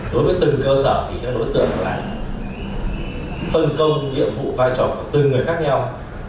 đối với từng cơ sở thì các đối tượng là phân công nhiệm vụ vai trò của từng người khác nhau